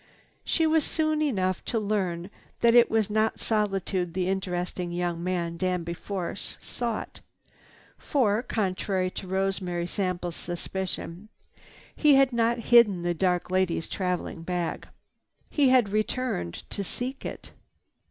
She was soon enough to learn that it was not solitude the interesting young man, Danby Force, sought. For, contrary to Rosemary Sample's suspicion, he had not hidden the dark lady's traveling bag. He had returned to seek it.